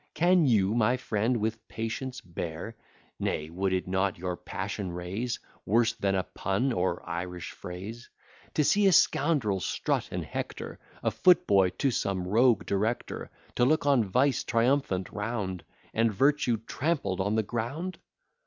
Can you, my friend, with patience bear (Nay, would it not your passion raise Worse than a pun, or Irish phrase) To see a scoundrel strut and hector, A foot boy to some rogue director, To look on vice triumphant round, And virtue trampled on the ground?